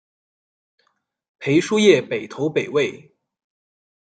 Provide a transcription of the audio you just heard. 裴叔业北投北魏。